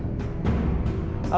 aku berada di menara sutera